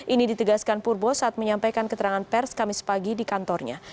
ini ditegaskan purbo saat menyampaikan keterangan pers kamis pagi di kantornya